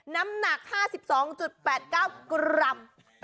น้ำหนัก๕๒๘๙กรัม